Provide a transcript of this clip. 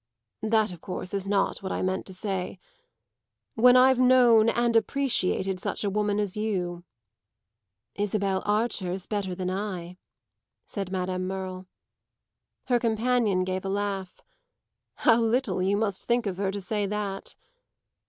"That of course is not what I meant to say. When I've known and appreciated such a woman as you." "Isabel Archer's better than I," said Madame Merle. Her companion gave a laugh. "How little you must think of her to say that!"